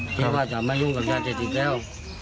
เทพาะจะไม่ยุ่งกับยาเต็ดอีกแล้ว